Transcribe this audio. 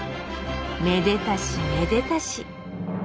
めでたしめでたし！